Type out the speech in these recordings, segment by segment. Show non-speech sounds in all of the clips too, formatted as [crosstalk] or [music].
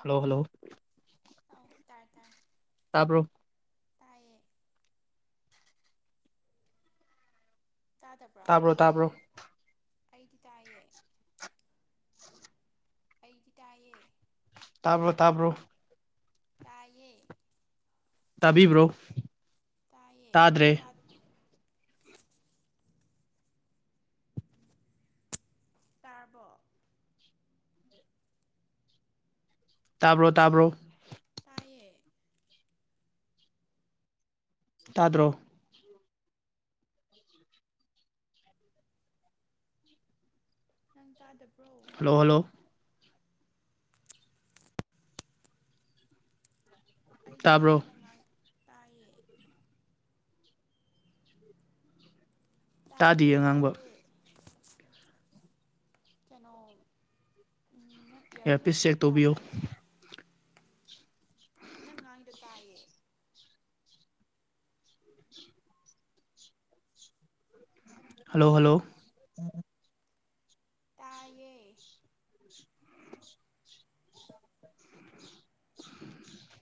hello hello ꯑꯧ ꯇꯥꯔꯦ ꯇꯥꯔꯦ [inaudible] ꯇꯥꯕ꯭ꯔꯣ ꯇꯥꯏꯌꯦ ꯇꯥꯗꯕ꯭ꯔꯣ ꯇꯥꯕ꯭ꯔꯣ ꯇꯥꯕ꯭ꯔꯣ ꯑꯩꯗꯤ ꯇꯥꯏꯌꯦ [inaudible] ꯑꯩꯗꯤ ꯇꯥꯏꯌꯦ ꯇꯥꯕ꯭ꯔꯣ ꯇꯥꯕ꯭ꯔꯣ ꯇꯥꯏꯌꯦ ꯇꯕꯤꯕ꯭ꯔꯣ ꯇꯥꯏꯌꯦ ꯅꯪ ꯇꯥ ꯇꯥꯔꯕꯣ ꯇꯕ꯭ꯔꯣ ꯍꯜꯂꯣ ꯇꯕ꯭ꯔꯣ ꯇꯥꯏꯌꯦ ꯇꯥꯗ꯭ꯔꯣ ꯅꯪ ꯇꯗꯕ꯭ꯔꯣ ꯍꯜꯂꯣ ꯍꯜꯂꯣ ꯑꯩꯗꯤ ꯇꯥꯕ꯭ꯔꯣ ꯇꯥꯢꯌꯦ ꯅꯪ ꯉꯥꯡ ꯇꯥꯏꯌꯦ ꯇꯥꯏꯌꯦ ꯇꯥꯗꯤꯌꯦ ꯑꯉꯥꯡꯕ ꯇꯥꯏꯌꯦ [inaudible] ꯀꯩꯅꯣ ꯅꯪ ꯏꯌꯔ ꯄꯤꯁ ꯏꯌꯥꯔꯄꯤꯁ ꯆꯦꯛ ꯍꯥꯞꯀꯦ ꯇꯧꯕꯤꯌꯨ ꯍꯥꯞꯄꯣ ꯅꯪ ꯉꯥꯡꯉꯤꯗꯣ ꯇꯥꯏꯌꯦ ꯍꯜꯂꯣ ꯍꯜꯂꯣ ꯇꯥꯏꯌꯦ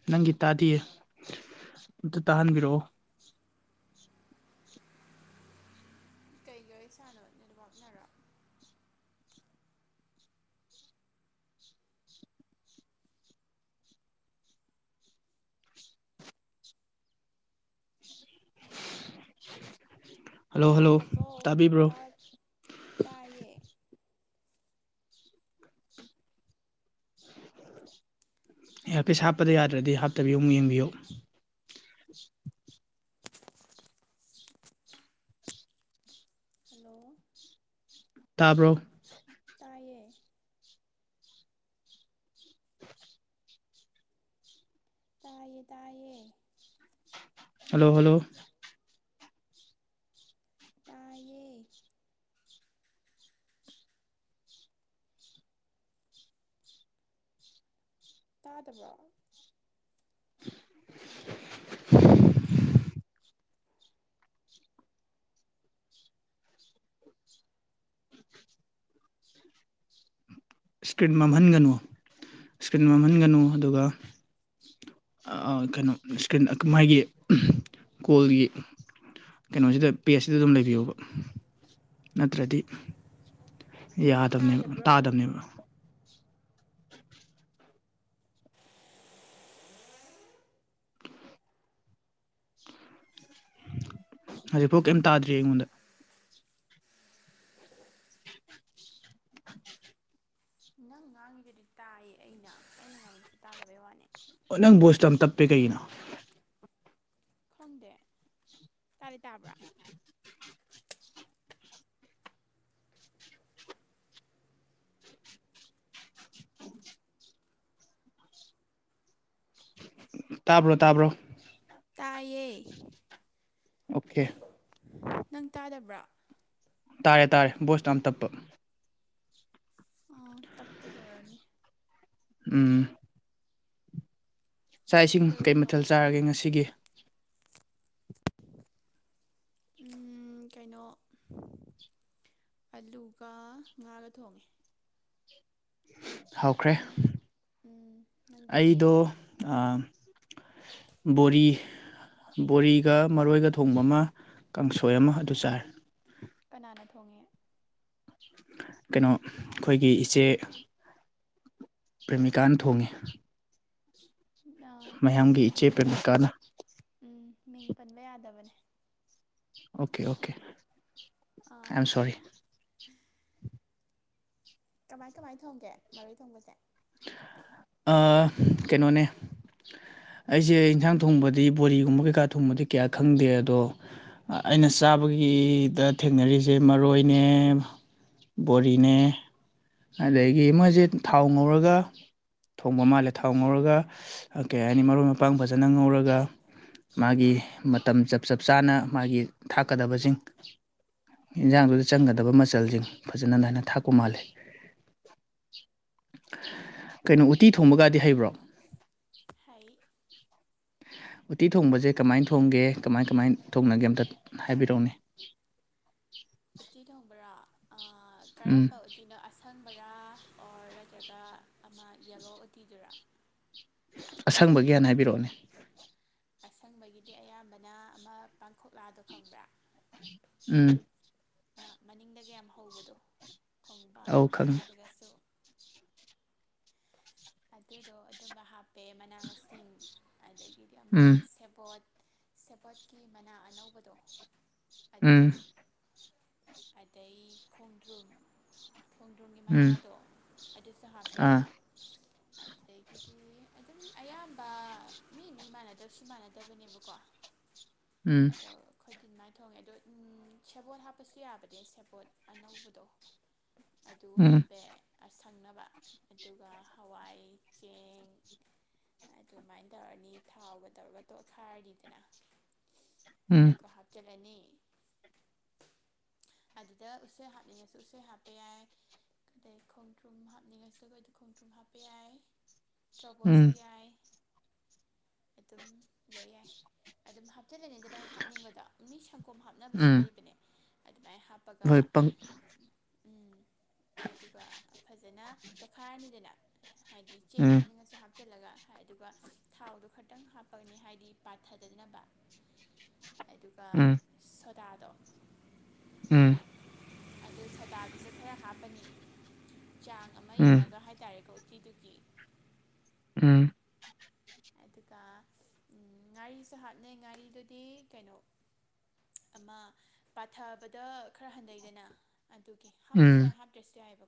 ꯅꯪꯒꯤ ꯇꯥꯗꯤꯌꯦ ꯑꯝꯇ ꯇꯥꯍꯟꯕꯤꯔꯛꯑꯣ ꯀꯩꯒꯤ ꯑꯣꯏꯖꯥꯠꯅꯣ ꯅꯦꯠꯋꯛꯅꯔꯣ ꯍꯜꯂꯣ ꯍꯜꯂꯣ ꯇꯥꯗ꯭ꯔꯕꯣ ꯇꯕꯤꯕ꯭ꯔꯣ ꯇꯥꯏꯌꯦ ꯇꯥꯏꯌꯦ ꯏꯌꯔꯄꯤꯁ ꯍꯥꯞꯄꯗ ꯇꯥꯏꯌꯦ ꯌꯥꯗ꯭ꯔꯗꯤ ꯍꯥꯞꯇꯕꯤ ꯑꯃꯨꯛ ꯌꯦꯡꯕꯤꯌꯣ ꯍꯜꯂꯣ ꯇꯕ꯭ꯔꯣ ꯇꯥꯏꯌꯦ ꯇꯥꯏꯌꯦ ꯇꯥꯏꯌꯦ ꯍꯜꯂꯣ ꯍꯜꯂꯣ ꯇꯥꯏꯌꯦ ꯇꯗꯕ꯭ꯔꯣ ꯏꯁꯀ꯭ꯔꯤꯟ ꯃꯝꯍꯟꯒꯅꯨ ꯏꯁꯀ꯭ꯔꯤꯟ ꯃꯝꯍꯟꯒꯅꯨ ꯑꯗꯨꯒ ꯑ ꯀꯩꯅꯣ ꯏꯁꯀ꯭ꯔꯤꯟ ꯑꯗꯨ ꯃꯥꯒꯤ ꯀꯣꯜꯒꯤ ꯀꯩꯅꯣꯁꯤꯗ ꯄꯦꯖꯁꯤꯗ ꯑꯗꯨꯝ ꯂꯩꯕꯤꯌꯣꯕ ꯅꯠꯇ꯭ꯔꯗꯤ ꯌꯥꯗꯝꯅꯦꯕ ꯇꯥꯗꯕ꯭ꯔꯣ ꯇꯥꯗꯝꯅꯦꯕ ꯍꯧꯖꯤꯛꯐꯥꯎ ꯀꯩꯝ ꯇꯥꯗ꯭ꯔꯤ ꯑꯩꯉꯣꯟꯗ ꯅꯪ ꯉꯥꯡꯉꯤꯗꯨꯗꯤ ꯇꯥꯏꯌꯦ ꯑꯩꯅ ꯑꯩꯅ ꯉꯥꯡꯕꯗꯤ ꯇꯗꯕꯩ ꯋꯥꯅꯤ ꯑꯣ ꯅꯪ ꯕꯣꯏꯁꯇꯣ ꯌꯥꯝ ꯇꯞꯄꯦ ꯀꯩꯒꯤꯅꯣ ꯈꯪꯗꯦ ꯇꯗꯤ ꯇꯥꯥꯕ꯭ꯔ ꯇꯕ꯭ꯔꯣ ꯇꯕ꯭ꯔꯣ ꯇꯥꯏꯌꯦ ꯑꯣꯀꯦ ꯅꯪ ꯇꯥꯗꯕ꯭ꯔ ꯇꯥꯔꯦ ꯇꯥꯔꯦ ꯚꯣꯏꯁꯇꯣ ꯌꯥꯝ ꯇꯞꯄ ꯑꯣ ꯇꯞꯄꯒꯤ ꯑꯣꯏꯔꯅꯤ ꯎꯝ ꯆꯥꯛ ꯏꯁꯤꯡ ꯀꯩ ꯀꯩꯗꯧꯔꯤꯅꯣ ꯃꯊꯦꯜ ꯆꯥꯔꯒꯦ ꯉꯁꯤꯒꯤ [inaudible] ꯎꯝ ꯀꯩꯅꯣ ꯑꯂꯨꯒ ꯉꯥꯒ ꯊꯣꯡꯉꯦ ꯍꯥꯎꯈ꯭ꯔꯦ ꯅꯪ ꯎꯝ ꯅꯪꯗꯤ ꯑꯩꯗꯣ ꯑꯥ ꯕꯣꯔꯤ ꯕꯣꯔꯤꯒ ꯃꯔꯣꯏꯒ ꯊꯣꯡꯕ ꯑꯃ ꯀꯥꯡꯁꯣꯏ ꯑꯃ ꯑꯗꯨ ꯆꯥꯔꯦ ꯀꯅꯥꯅ ꯊꯣꯡꯉꯦ ꯀꯩꯅꯣ ꯑꯈꯣꯏꯒꯤ ꯏꯆꯦ ꯄ꯭ꯔꯦꯃꯤꯀꯥꯅ ꯊꯣꯡꯉꯦ ꯑꯥ ꯃꯤꯡ ꯃꯌꯥꯝꯒꯤ ꯏꯆꯦ ꯎꯝ ꯄ꯭ꯔꯦꯃꯤꯀꯥꯅ ꯎꯝ ꯃꯤꯡ ꯄꯟꯕ ꯌꯥꯗꯕꯅꯦ okay okay ah I am sorry ꯀꯃꯥꯏ ꯀꯃꯥꯏ ꯊꯣꯡꯒꯦ ꯃꯔꯣꯏ ꯊꯣꯡꯕꯁꯦ ꯑꯥ ꯀꯩꯅꯣꯅꯦ ꯑꯩꯁꯦ ꯏꯟꯁꯥꯡ ꯊꯣꯡꯕꯗꯤ ꯕꯣꯔꯤꯒꯨꯝꯕ ꯀꯩꯀꯥ ꯊꯣꯡꯕꯗꯤ ꯀꯌꯥ ꯈꯪꯗꯦ ꯑꯗꯣ ꯑꯩꯅ ꯁꯨ ꯆꯥꯕꯒꯤꯗ ꯊꯦꯡꯅꯔꯤꯁꯦ ꯃꯔꯣꯏꯅꯦ ꯕꯣꯔꯤꯅꯦ ꯑꯗꯒꯤ ꯃꯣꯏꯁꯦ ꯊꯥꯎ ꯉꯧꯔꯒ ꯊꯣꯡꯕ ꯃꯥꯜꯂꯦ ꯊꯥꯎ ꯉꯧꯔꯒ ꯀꯩ ꯍꯥꯏꯅꯤ ꯃꯔꯣꯏ ꯃꯄꯥꯡ ꯐꯖꯅ ꯉꯧꯔꯒ ꯃꯥꯒꯤ ꯃꯇꯝ ꯆꯞ ꯆꯞ ꯆꯥꯅ ꯃꯥꯒꯤ ꯊꯥꯛꯀꯗꯕꯁꯤꯡ ꯏꯟꯁꯥꯡꯗꯨꯗ ꯆꯪꯒꯗꯕ ꯃꯆꯜꯁꯤꯡ ꯐꯖꯅ ꯅꯥꯏꯅ ꯊꯥꯛꯄ ꯃꯥꯜꯂꯦ [inaudible] ꯀꯩꯅꯣ ꯎꯇꯤ ꯊꯣꯡꯕꯒꯗꯤ ꯍꯩꯕ꯭ꯔꯣ ꯍꯩ ꯎꯇꯤ ꯊꯣꯡꯕꯁꯦ ꯀꯃꯥꯏ ꯊꯣꯡꯒꯦ ꯀꯃꯥꯏ ꯀꯃꯥꯏ ꯊꯣꯡꯅꯒꯦ ꯑꯝꯇ ꯍꯥꯏꯕꯤꯔꯛꯎꯅꯦ ꯎꯠꯇꯤ ꯊꯣꯡꯕ꯭ꯔꯣ ꯑꯥꯥ ꯎꯝ ꯀꯔꯝꯕ ꯎꯠꯇꯤꯅꯣ ꯑꯁꯪ ꯕꯔꯥ ꯑꯣꯔ ꯅꯠꯇ꯭ꯔꯒ ꯑꯃ ꯌꯦꯂꯣ ꯎꯇꯤꯗꯨꯔꯥ ꯑꯁꯪꯕꯒꯤ ꯍꯥꯟꯅ ꯍꯥꯏꯕꯤꯔꯛꯑꯣꯅꯦ ꯑꯁꯪꯕꯒꯤꯗꯤ ꯑꯌꯥꯝꯕꯅ ꯑꯃ ꯄꯥꯡꯈꯣꯛꯂꯥꯗꯣ ꯈꯪꯪꯕꯔ ꯎꯝ ꯑꯝ ꯃꯅꯤꯡꯗꯒ ꯌꯥꯝ ꯍꯧꯕꯗꯣ ꯈꯣꯡꯕꯥꯟ ꯑꯧ ꯈꯪꯉꯦ ꯃꯌꯥꯗꯒꯁꯨ ꯑꯗꯨꯗꯣ ꯑꯗꯨꯝꯕ ꯍꯥꯞꯄꯦ ꯃꯅꯥ ꯃꯁꯤꯡ ꯑꯗꯒꯤꯗꯤ ꯑꯃ ꯎꯝ ꯁꯦꯕꯣꯠ ꯁꯦꯕꯣꯠꯀꯤ ꯃꯅꯥ ꯑꯅꯧꯕꯗꯣ ꯑꯗꯨ ꯎꯝ ꯑꯗꯩ ꯈꯣꯡꯗ꯭ꯔꯨꯝ ꯈꯣꯡꯗ꯭ꯔꯨꯝꯒꯤ ꯎꯝ ꯃꯅꯥꯗꯣ ꯑꯗꯨꯁꯨ ꯍꯥꯞꯄꯦ ꯑꯥ ꯑꯗꯩ ꯑꯗꯨꯗꯒꯤ ꯑꯗꯨꯝ ꯑꯌꯥꯝꯕ ꯃꯤ ꯃꯤ ꯃꯥꯟꯅꯗꯕꯁꯨ ꯃꯥꯟꯅꯗꯕꯅꯦꯕꯀꯣ ꯎꯝ ꯇꯤꯟꯃꯥꯏꯅ ꯊꯣꯡꯉꯦ ꯑꯗꯣ ꯎꯝ ꯁꯦꯕꯣꯠ ꯍꯥꯞꯄꯁꯨ ꯌꯥꯕꯅꯦ ꯁꯦꯕꯣꯠ ꯑꯅꯧꯕꯗꯣ ꯑꯗꯨ ꯎꯝ ꯍꯥꯞꯄꯦ ꯑ ꯁꯪꯅꯕ ꯑꯗꯨꯒ ꯍꯋꯥꯏ ꯆꯦꯡ ꯑꯗꯨꯃꯥꯏꯅ ꯇꯧꯔꯅꯤ ꯊꯥꯎꯒ ꯇꯧꯔꯒ ꯇꯣꯠꯈꯥꯏꯔꯅꯤꯗꯅ ꯎꯝ ꯑꯗꯨꯒ ꯍꯥꯞꯆꯜꯂꯅꯤ ꯑꯗꯨꯗ ꯎꯁꯣꯏ ꯍꯥꯞꯅꯤꯡꯉꯁꯨ ꯎꯁꯣꯏ ꯍꯥꯞꯄ ꯌꯥꯏ ꯑꯗꯩ ꯈꯣꯡꯗ꯭ꯔꯨꯝ ꯍꯥꯞꯅꯤꯡꯉꯁꯨ ꯑꯩꯈꯣꯏꯗ ꯈꯣꯡꯗ꯭ꯔꯨꯝ ꯍꯥꯞꯄ ꯌꯥꯏ ꯎꯝ ꯇ꯭ꯔꯣꯕꯣꯠꯁꯨ ꯌꯥꯏ ꯑꯗꯨꯝ ꯂꯣꯏ ꯌꯥꯏ ꯑꯗꯨꯝ ꯍꯥ ꯆꯠ ꯂꯩꯅꯤꯡꯗꯅ [unintelligible] ꯍꯥꯞꯅꯤꯡꯕꯗ ꯃꯤ ꯁꯪꯒꯣꯝ ꯍꯥꯞꯅꯕꯁꯨ ꯎꯝ ꯂꯩꯕꯅꯦ ꯑꯗꯨꯃꯥꯏꯅ ꯍꯥꯞꯄꯒ ꯍꯣꯏ ꯄꯪ ꯎꯝ ꯑꯗꯨꯒ ꯐꯖꯅ ꯇꯣꯈꯥꯏꯔꯅꯤꯗꯅ ꯍꯥꯏꯗꯤ ꯆꯦꯡ ꯎꯝ ꯍꯥꯞꯅꯤꯡꯉꯁꯨ ꯍꯥꯞ ꯍꯥꯞꯆꯜꯂꯒ ꯑꯗꯨꯒ ꯊꯥꯎꯗꯣ ꯈꯇꯪ ꯍꯥꯞꯄꯒꯅꯤ ꯍꯥꯏꯗꯤ ꯄꯥꯊꯗꯗꯅꯕ ꯑꯗꯨꯒ ꯎꯝ ꯁꯠ ꯎꯝ ꯑꯗꯨ ꯁꯗꯥꯗꯨꯁꯨ ꯈꯔ ꯍꯥꯞꯄꯅꯤ ꯆꯥꯡ ꯑꯃ ꯎꯝ ꯌꯦꯡꯉꯒ ꯍꯥꯏꯇꯥꯔꯦꯀꯣ ꯇꯤꯗꯨꯒꯤ ꯎꯝ ꯑꯗꯨꯒ ꯉꯥꯔꯤꯁꯨ ꯍꯥꯞꯅꯩ ꯉꯥꯔꯤꯗꯨꯗꯤ ꯀꯩꯅꯣ ꯑꯃ ꯄꯥꯊꯕꯗ ꯈꯔ ꯍꯟꯊꯩꯗꯅ ꯑꯗꯨꯒꯤ ꯍꯥꯞꯄꯁꯨ ꯎꯝ ꯌꯥꯏ ꯍꯥꯞꯇ꯭ꯔꯁꯨ ꯌꯥꯏꯕ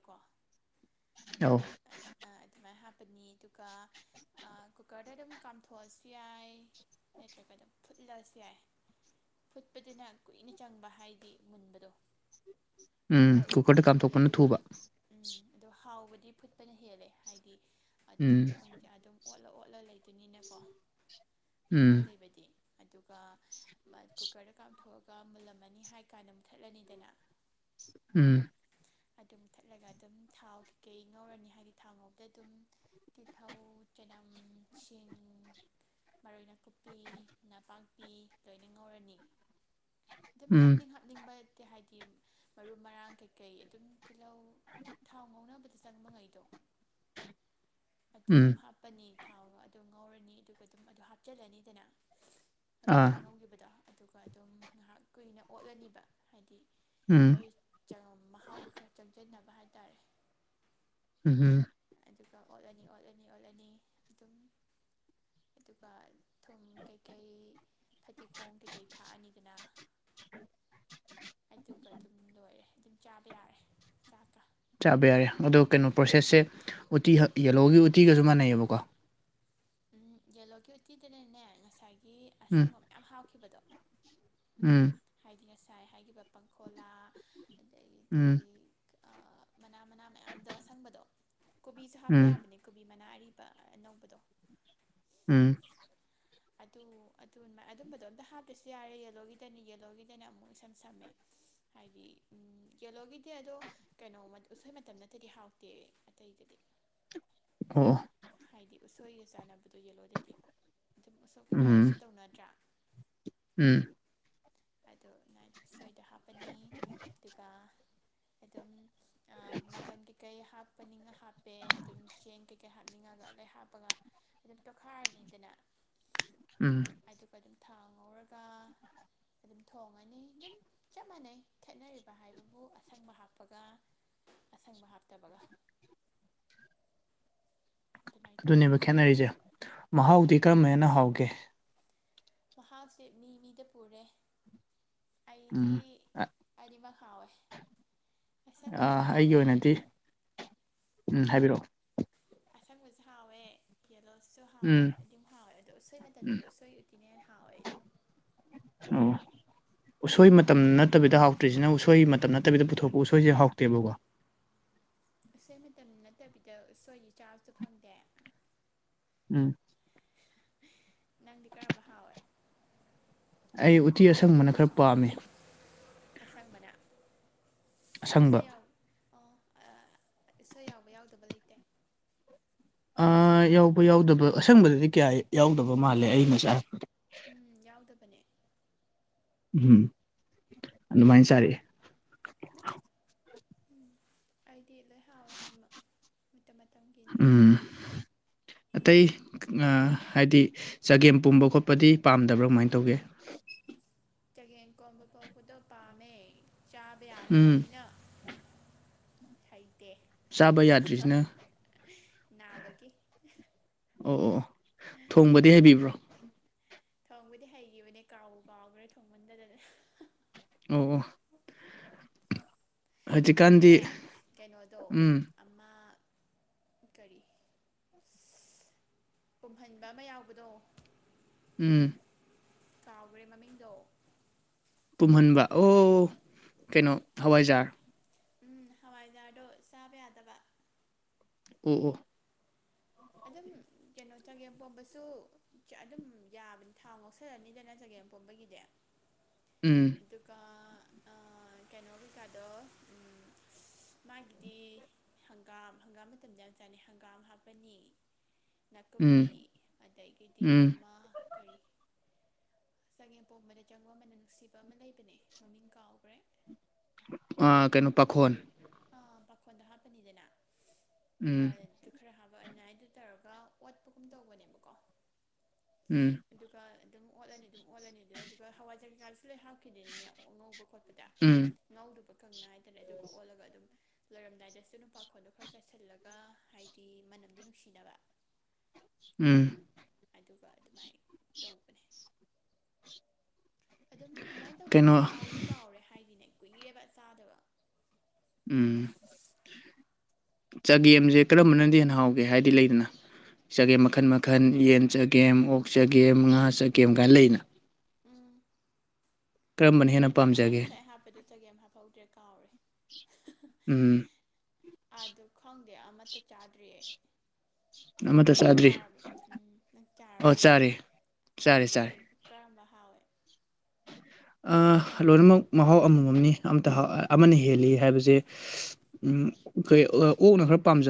[unintelligible] ꯑꯅꯤ ꯗꯨꯒ ꯑꯥ ꯀꯨꯀꯔꯗ ꯗꯨꯝ ꯀꯥꯝꯊꯣꯛꯑꯁꯨ ꯌꯥꯏ ꯅꯠꯇ꯭ꯔꯒ ꯑꯗꯨꯝ ꯐꯨꯠꯂꯁꯨ ꯌꯥꯏ ꯐꯨꯠꯄꯗꯨꯅ ꯀꯨꯏꯅ ꯆꯪꯕ ꯍꯥꯏꯗꯤ ꯃꯨꯟꯕꯗꯣ ꯎꯝ ꯑꯣꯠꯂ ꯀꯨꯀꯔꯗ ꯑꯣꯠꯂꯒ ꯀꯥꯝꯊꯣꯛꯄꯅ ꯂꯩꯗꯨꯕ ꯊꯨꯕ ꯑꯗꯣ ꯍꯥꯎꯕꯗꯤ ꯐꯨꯠꯄꯅ ꯍꯦꯜꯂꯦ ꯍꯥꯏꯗꯤ ꯑꯗꯨꯝ ꯎꯝ ꯀꯪꯖ ꯑꯣꯠꯂ ꯑꯣꯠꯂ ꯂꯩ ꯇꯤꯅꯤꯅꯦꯀꯣ ꯃꯍꯥꯎ ꯎꯝ ꯂꯩꯕꯗꯤ ꯑꯗꯨꯒ ꯃ ꯀꯨꯀꯔꯗ ꯀꯥꯝꯊꯣꯛꯑꯒ ꯃꯨꯜꯂꯝꯃꯅꯤ ꯍꯥꯏ ꯀꯥꯟꯗ ꯃꯨꯠꯊꯠꯂꯅꯤꯗꯅ [inaudible] ꯎꯝ ꯑꯗꯨꯝ ꯊꯠꯂꯒ ꯑꯗꯨꯝ ꯊꯥꯎ ꯀꯩꯀꯩ ꯉꯧꯔꯅꯤ ꯍꯥꯏꯗꯤ ꯊꯥꯎ ꯉꯧꯕꯗ ꯑꯗꯨꯝ ꯇꯤꯜꯍꯧ ꯆꯅꯝ ꯁꯤꯡ ꯃꯔꯣꯏ ꯅꯥꯀꯨꯞꯄꯤ ꯅꯄꯥꯛꯄꯤ ꯂꯣꯏꯅ ꯉꯧꯔꯅꯤ ꯑꯗꯨꯝ ꯎꯝ ꯍꯥꯞꯅꯤꯡ ꯍꯥꯞꯅꯤꯡꯕ ꯍꯥꯏꯗꯤ ꯃꯔꯨ ꯃꯔꯥꯡ ꯀꯩꯀꯩ ꯑꯗꯨꯝ ꯇꯤꯜꯍꯧ ꯊꯥꯎ ꯉꯧꯅꯕꯗ ꯆꯪꯕ ꯉꯩꯗꯣ ꯑꯗꯨ ꯎꯝ ꯑꯗꯨꯝ ꯍꯥꯞꯄꯅꯤ ꯊꯥꯎꯒ ꯑꯗꯨ ꯉꯧꯔꯅꯤ ꯑꯗꯨꯒ ꯑꯗꯨꯝ ꯑꯗꯨ ꯍꯥꯞꯆꯤꯜꯂꯅꯤꯗꯅ ꯑꯗꯨꯒꯤ ꯑꯥ ꯉꯧꯈꯤꯕꯗꯣ ꯑꯗꯨꯒ ꯑꯗꯨꯝ ꯉꯍꯥꯛ ꯀꯨꯏꯅ ꯑꯣꯠꯂꯅꯤꯕ ꯍꯥꯏꯗꯤ ꯎꯝ ꯍꯣꯏ ꯆ ꯃꯍꯥꯎꯗꯣ ꯈꯔ ꯆꯪꯁꯤꯟꯅꯕ ꯍꯥꯏꯇꯥꯔꯦ ꯎꯍꯨꯝ ꯑꯗꯨꯒ ꯑꯣꯠꯂꯅꯤ ꯑꯣꯠꯂꯅꯤ ꯑꯣꯠꯂꯅꯤ ꯑꯗꯨꯝ ꯑꯗꯨꯒ ꯊꯨꯝ ꯀꯩꯀꯩ ꯐꯗꯤꯒꯣꯝ ꯀꯩꯀꯩ ꯊꯥꯛꯑꯅꯤꯗꯅ ꯑꯗꯨꯒ ꯑꯗꯨꯝ ꯂꯣꯏꯔꯦ ꯆꯥꯕ ꯌꯥꯔꯦ ꯆꯥꯛꯀ ꯆꯥꯕ ꯌꯥꯔꯦ ꯑꯗꯣ ꯀꯩꯅꯣ ꯄ꯭ꯔꯣꯁꯦꯁꯁꯦ ꯎꯇꯤ ꯌꯦꯂꯣꯒꯤ ꯎꯇꯤꯒꯁꯨ ꯃꯥꯟꯅꯩꯌꯦꯕꯀꯣ ꯎꯝ ꯌꯦꯂꯣꯒꯤ ꯎꯠꯇꯤꯗꯅꯅꯦ ꯉꯁꯥꯏꯒꯤ ꯎꯝ ꯑꯁꯪꯕ ꯃꯌꯥꯝ ꯍꯥꯥꯞꯈꯤꯕꯗꯣ ꯎꯝ ꯉꯁꯥꯏ ꯍꯥꯏꯈꯤꯕ ꯄꯥꯡꯈꯣꯂꯥ ꯑꯗꯩ ꯎꯝ ꯑꯥ ꯃꯅꯥ ꯃꯅꯥ ꯃꯌꯥꯝꯗꯣ ꯑꯁꯪꯕꯗꯣ ꯀꯣꯕꯤꯁꯨ ꯍꯥꯞꯄ ꯎꯝ ꯌꯥꯕꯅꯦ ꯀꯣꯕꯤ ꯃꯅꯥ ꯑꯔꯤꯕ ꯑꯅꯧꯕꯗꯣ ꯎꯝ ꯑꯗꯨ ꯑꯗꯨ ꯑꯗꯨꯝꯕꯗꯣ ꯑꯝꯇ ꯍꯥꯞꯇ꯭ꯔꯁꯨ ꯌꯥꯔꯦ ꯌꯦꯂꯣꯒꯤꯗꯗꯤ ꯌꯦꯂꯣꯒꯤꯗꯅꯦ ꯑꯃꯨꯛ ꯏꯁꯝ ꯁꯝꯃꯦ ꯍꯥꯏꯗꯤ ꯌꯦꯂꯣꯒꯤꯗꯤ ꯑꯗꯨꯝ ꯀꯩꯅꯣ ꯎꯁꯣꯏ ꯃꯇꯝ ꯅꯠꯇꯗꯤ ꯍꯥꯎꯇꯦ ꯑꯇꯩꯗꯗꯤ [inaudible] [inaudible] ꯍꯥꯏꯗꯤ ꯎꯁꯣꯏꯒ ꯆꯥꯟꯅꯕꯗꯣ ꯌꯦꯜꯂꯣꯗꯗꯤ ꯑꯗꯨꯝ ꯎꯁꯣꯞ ꯎꯝ ꯀꯩꯀꯥꯗꯁꯨ ꯇꯧꯅꯗ꯭ꯔ ꯎꯝ ꯑꯗꯣ ꯉꯥꯏꯅ ꯎꯁꯣꯏꯗꯣ ꯍꯥꯞꯄꯅꯤ ꯑꯗꯨꯒ ꯑꯗꯨꯝ ꯑ ꯃꯒꯟ ꯀꯩ ꯀꯩ ꯍꯥꯞ ꯍꯥꯞꯅꯤꯡꯉ ꯍꯥꯞꯄꯦ ꯑꯗꯨꯝ ꯆꯦꯡ ꯀꯩꯀꯩ ꯍꯥꯞꯅꯤꯡꯉꯒ ꯂꯩ ꯍꯥꯞꯄꯒ ꯑꯗꯨꯝ ꯇꯣꯠꯈꯥꯏꯔꯅꯤꯗꯅ ꯎꯝ ꯑꯗꯨꯒ ꯑꯗꯨꯝ ꯊꯥꯎ ꯉꯧꯔꯒ ꯑꯗꯨꯝ ꯊꯣꯡꯉꯅꯤ ꯑꯗꯨꯝ ꯆꯞ ꯃꯥꯟꯅꯩ ꯈꯦꯠꯅꯔꯤꯕ ꯍꯥꯏꯕꯕꯨ ꯑꯁꯪꯕ ꯍꯥꯞꯄꯒ ꯑꯁꯪꯕ ꯍꯥꯞꯇꯕꯒ ꯑꯗꯨꯃꯥꯏꯅ ꯇꯧꯋꯦ ꯑꯗꯨꯅꯦꯕ ꯈꯦꯠꯅꯔꯤꯁꯦ ꯎꯝ ꯃꯍꯥꯎꯗꯤ ꯑꯗꯣ ꯀꯔꯝꯕꯅ ꯍꯦꯟꯅ ꯍꯥꯎꯒꯦ ꯃꯍꯥꯎꯁꯦ ꯃꯤ ꯃꯤꯗ ꯄꯨꯔꯦ ꯑꯩꯗꯤ ꯎꯝ ꯑꯅꯤꯃꯛ ꯍꯥꯎꯋꯦ ꯑꯁꯪꯕꯁꯨ ꯑꯥ ꯑꯩꯒꯤ ꯍꯥꯎꯋꯦ ꯑꯣꯏꯅꯗꯤ ꯎꯝ ꯍꯥꯏꯕꯤꯔꯛꯑꯣ ꯑꯁꯪꯕꯁꯨ ꯍꯥꯎꯋꯦ ꯌꯦꯂꯣꯁꯨ ꯍꯥꯎꯋꯦ ꯎꯝ ꯑꯗꯨꯝ ꯍꯥꯎꯋꯦ ꯑꯗꯣ ꯎꯁꯣꯏ ꯎꯝ ꯃꯇꯝꯗꯗꯤ ꯎꯁꯣꯏ ꯎꯇꯤꯅ ꯍꯦꯟꯅ ꯍꯥꯎꯋꯦ ꯑꯩꯗꯤ ꯑꯣ ꯎꯁꯣꯏ ꯃꯇꯝ ꯅꯪꯗꯤ ꯅꯠꯇꯕꯤꯗ ꯍꯥꯎꯇ꯭ꯔꯤꯁꯤꯅ ꯎꯁꯣꯏ ꯃꯇꯝ ꯅꯠꯇꯕꯤꯗ ꯄꯨꯊꯣꯛ ꯎꯁꯣꯏꯁꯦ ꯍꯥꯎꯇꯦꯕꯀꯣ ꯎꯁꯣꯏ ꯃꯇꯝ ꯅꯠꯇꯕꯤꯗ ꯎꯁꯣꯏꯗꯤ ꯆꯥꯕꯁꯨ ꯐꯪꯗꯦ ꯎꯝ ꯅꯪꯗꯤ ꯀꯔꯝꯕ ꯍꯥꯎꯋꯦ ꯑꯩ ꯎꯇꯤ ꯑꯁꯪꯕꯅ ꯈꯔ ꯄꯥꯝꯃꯤ ꯑꯁꯡꯕꯅꯥ ꯑꯁꯪꯕ ꯑꯣ ꯎꯁꯣꯏ ꯌꯥꯎꯕ ꯌꯥꯎꯗꯕ ꯂꯩꯇꯦ ꯑꯥ ꯁꯪ ꯌꯥꯎꯕ ꯌꯥꯎꯗꯕ ꯑꯁꯡꯕꯗꯗꯤ ꯀꯌꯥ ꯌꯥꯎꯗꯕ ꯃꯥꯜꯂꯦ ꯑꯩꯅ ꯆꯥ ꯎꯝ ꯌꯥꯎꯗꯕꯅꯦ ꯎꯝ ꯑꯗꯨꯃꯥꯏꯅ ꯆꯥꯔꯛꯑꯦ ꯎꯝ ꯑꯩꯗꯤ ꯂꯣꯏ ꯍꯥꯎꯋꯦ ꯑꯅꯤꯃꯛ ꯃꯇꯝꯒꯤꯅꯤ ꯎꯝ ꯑꯇꯩꯅ ꯑꯥ ꯍꯥꯏꯗꯤ ꯆꯒꯦꯝ ꯄꯣꯝꯕ ꯈꯣꯠꯄꯗꯤ ꯄꯥꯝꯗꯕ꯭ꯔꯥ ꯀꯃꯥꯏꯅ ꯇꯧꯒꯦ [inaudible] ꯆꯒꯦꯝ ꯀꯣꯝꯕ ꯄꯣꯛꯄꯗꯣ ꯄꯥꯝꯃꯦ ꯆꯥꯕ ꯎꯝ ꯌꯥꯗꯕꯅꯤꯅ ꯍꯩ ꯇꯦ ꯆꯥꯕ ꯍꯥ ꯍꯥ ꯍꯥ ꯌꯥꯗ꯭ꯔꯤꯁꯤꯅ ꯅꯥꯕꯒꯤ ꯑꯣ ꯑꯣ ꯑꯣ ꯊꯣꯡꯕꯗꯤ ꯍꯩꯕꯤꯕ꯭ꯔꯣ ꯊꯣꯡꯕꯨꯗꯤ ꯍꯩꯈꯤꯕꯅꯦ ꯀꯥꯎꯕꯨ ꯀꯥꯎꯈ꯭ꯔꯦ ꯊꯣꯡꯕꯟꯗꯗꯅ ꯍꯥ ꯍꯥ ꯑꯣ ꯑꯣ ꯍꯧꯖꯤꯛꯀꯥꯟꯗꯤ ꯍꯥꯏꯗꯤꯅꯦ ꯀꯩꯅꯣꯗꯣ ꯎꯝ ꯑꯃ ꯀꯔꯤ ꯏꯁ ꯄꯨꯝꯍꯟꯕ ꯑꯃ ꯌꯥꯎꯕꯗꯣ ꯎꯝ ꯀꯥꯎꯒ꯭ꯔꯦ ꯃꯃꯤꯡꯗꯣ ꯄꯨꯝꯍꯟꯕ ꯑꯣ ꯀꯩꯅꯣ ꯍꯋꯥꯏꯖꯥꯔ ꯎꯝ ꯍꯋꯥꯏꯖꯥꯔꯗꯣ ꯆꯥꯕ ꯌꯥꯗꯕ ꯑꯣ ꯑꯣ ꯑꯗꯨꯝ ꯀꯩꯅꯣ ꯆꯒꯦꯝ ꯄꯣꯝꯕꯁꯨ ꯑꯗꯨꯝ ꯌꯥꯕꯅꯤ ꯊꯥꯎ ꯉꯧꯁꯜꯂꯅꯤꯗꯅ ꯆꯒꯦꯝꯄꯣꯝꯕꯒꯤꯗꯤ ꯎꯝ ꯑꯗꯨꯒ ꯑꯥ ꯀꯩꯅꯣ ꯀꯩꯀꯥꯗꯣ ꯎꯝ ꯃꯥꯒꯤꯗꯤ ꯍꯪꯒꯥꯝ ꯍꯪꯒꯥꯝ ꯃꯇꯝꯗ ꯌꯥꯝ ꯆꯥꯅꯩ ꯍꯪꯒꯥꯝ ꯍꯥꯞꯄꯅꯤ ꯎꯝ ꯅꯥꯀꯨꯞꯄꯤ ꯑꯗꯒꯤꯗꯤ ꯎꯝ ꯑꯃ ꯀꯔꯤ ꯆꯒꯦꯝ ꯄꯣꯝꯕꯅꯦ ꯆꯪꯕ ꯃꯅꯝ ꯅꯨꯡꯁꯤꯕ ꯑꯃ ꯂꯩꯕꯅꯦ ꯃꯃꯤꯡ ꯀꯥꯎꯈ꯭ꯔꯦ ꯑꯥ ꯀꯩꯅꯣ ꯄꯥꯈꯣꯟ ꯑꯥ ꯄꯥꯈꯣꯟꯗ ꯍꯥꯞꯄꯅꯤꯗꯅ ꯎꯝ ꯑꯗꯨꯒ ꯑꯣꯅꯏꯗ ꯇꯧꯔꯒ ꯑꯣꯠꯄꯒꯨꯝ ꯇꯧꯕꯅꯦꯕꯀꯣ ꯎꯝ ꯑꯗꯨꯒ ꯑꯗꯨꯝ ꯑꯣꯠꯂꯅꯤ ꯑꯗꯨꯝ ꯑꯣꯠꯂꯅꯤ ꯑꯗꯨ ꯑꯗꯨꯒ ꯍꯋꯥꯏꯖꯥꯔ ꯀꯩꯀꯥꯁꯨ ꯂꯣꯢ ꯍꯞ ꯈꯤꯗꯅꯤꯅꯦ ꯉꯧꯕ ꯈꯣꯠꯄꯗ ꯎꯝ ꯉꯧꯗꯨꯕ ꯈꯪꯅ ꯍꯥꯏꯇꯥꯔꯦ ꯑꯗꯨꯒ ꯑꯣꯜꯂꯒ ꯂꯣꯏꯔꯝꯗꯥꯏꯗꯁꯨ ꯅꯨꯄꯥꯈꯣꯟꯗꯣ ꯈꯔ ꯆꯥꯏꯁꯤꯜꯂꯒ ꯍꯥꯏꯗꯤ ꯃꯅꯝꯗꯣ ꯅꯨꯡꯁꯤꯅꯕ [inaudible] ꯎꯝ ꯑꯗꯨꯒ ꯑꯗꯨꯃꯥꯏꯅ ꯇꯧꯕꯅꯦ [inaudible] ꯑꯗꯨꯝ ꯑꯗꯨꯃꯥꯏꯅ ꯇꯧꯗꯕꯅꯦ ꯀꯩꯅꯣ ꯀꯥꯎꯗꯤ ꯀꯥꯎꯔꯦ ꯍꯥꯏꯗꯤꯅꯦ ꯀꯨꯏꯔꯦꯕ ꯆꯥꯗꯕ ꯎꯝ ꯆꯒꯦꯝꯁꯦ ꯀꯔꯝꯕꯅꯗꯤ ꯍꯦꯟꯅ ꯍꯥꯎꯒꯦ ꯍꯥꯏꯗꯤ ꯂꯩꯗꯅ ꯆꯒꯦꯝ ꯃꯈꯟ ꯃꯈꯟ ꯌꯦꯟ ꯆꯒꯦꯝ ꯑꯣꯛ ꯆꯒꯦꯝ ꯉꯥ ꯆꯒꯦꯝ ꯀꯥꯏꯅ ꯂꯩꯗꯅ ꯎꯝ ꯑꯗꯨꯗꯤ ꯍꯦꯟꯅ ꯑꯩ ꯄꯥꯝꯖꯒꯦ ꯉꯁꯥꯏ ꯍꯥꯞꯄꯗ ꯆꯒꯦꯝ ꯍꯥꯞꯍꯧꯗ꯭ꯔꯦ ꯀꯥꯎꯔꯦ ꯍꯥ ꯎꯝ ꯍꯥ ꯑꯗꯨ ꯈꯪꯗꯦ ꯑꯃꯠꯇ ꯆꯥꯗ꯭ꯔꯤ ꯑꯩ ꯑꯃꯠꯇ ꯅꯪ ꯆꯥꯗ꯭ꯔꯤ ꯆꯥꯔꯕ ꯎꯝ ꯅꯪ ꯑꯣ ꯆꯥꯔꯕ ꯆꯥꯔꯦ ꯆꯥꯔꯦ ꯀꯔꯝ ꯆꯥꯔꯦ ꯀꯔꯝꯕ ꯍ [inaudible] ꯑꯥ ꯂꯣꯏꯅꯃꯛ ꯃꯍꯥꯎ ꯑꯃꯃꯝꯅꯤ ꯑꯃꯇ ꯑꯃꯅ ꯍꯦꯜꯂꯤ ꯍꯥꯏꯕꯁꯦ ꯎꯝ ꯑꯩꯈꯣꯏ ꯑꯣꯛꯅ ꯈꯔ ꯄꯥꯝꯖ